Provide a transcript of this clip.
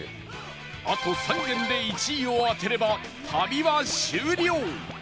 あと３軒で１位を当てれば旅は終了！